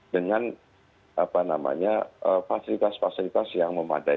dengan apa namanya fasilitas fasilitas yang memadai